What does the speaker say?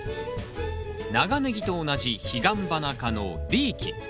長ネギと同じヒガンバナ科のリーキ。